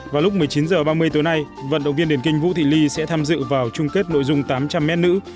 vào lúc một mươi chín h ba mươi tối nay vận động viên điền kinh vũ thị ly sẽ tham dự vào chung kết nội dung tám trăm linh m nữ